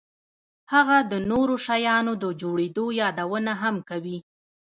هغه د نورو شیانو د جوړېدو یادونه هم کوي